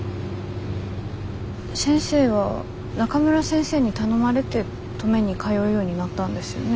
先生は中村先生に頼まれて登米に通うようになったんですよね？